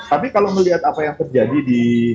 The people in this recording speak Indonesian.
tapi kalau melihat apa yang terjadi di